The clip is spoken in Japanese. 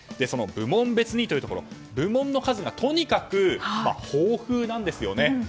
その部門別にというところ部門の数がとにかく豊富なんです。